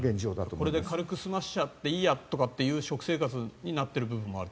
これで軽く済ませちゃっていいやという食生活になっている部分もあると。